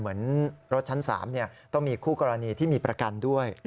เหมือนรถชั้น๓ต้องมีคู่กรณีที่มีประกันด้วย